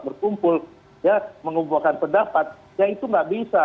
berkumpul mengubahkan pendapat ya itu tidak bisa